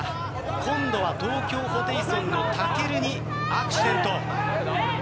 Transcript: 今度は東京ホテイソンのたけるにアクシデント。